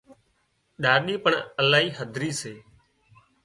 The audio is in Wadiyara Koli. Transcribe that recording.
ڏاڏِي پڻ الاهي هڌري سي